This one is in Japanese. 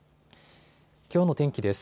きょうの天気です。